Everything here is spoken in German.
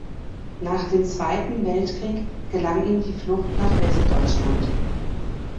Nach dem Zweiten Weltkrieg gelang ihm die Flucht nach Westdeutschland.